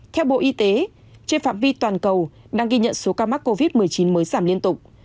theo bộ y tế trên phạm vi toàn cầu đang ghi nhận số ca mắc covid một mươi chín mới giảm liên tục